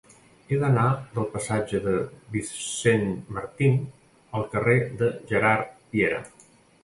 He d'anar del passatge de Vicent Martín al carrer de Gerard Piera.